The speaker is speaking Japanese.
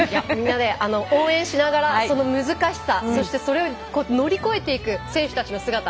みんなで応援しながらその難しさそして、それを乗り越えていく選手たちの姿。